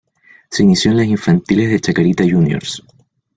Se inició en las infantiles de Chacarita Juniors.